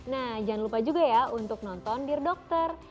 nah jangan lupa juga ya untuk nonton dear dokter